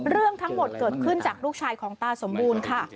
เรื่องทั้งหมดเกิดขึ้นจากลูกชายของตาสมบูรณ์ค่ะ